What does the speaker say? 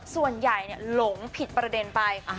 ส่วนใหญ่หลงผิดประเด็นไป